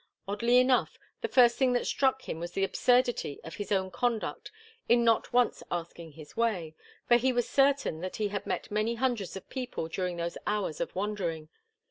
Oddly enough, the first thing that struck him was the absurdity of his own conduct in not once asking his way, for he was certain that he had met many hundreds of people during those hours of wandering.